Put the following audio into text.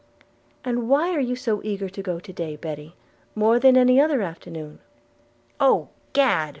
'And why are you so eager to go to day, Betty, more than any other afternoon?' 'Oh gad!'